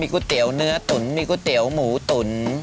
ก๋วยเตี๋ยวเนื้อตุ๋นมีก๋วยเตี๋ยวหมูตุ๋น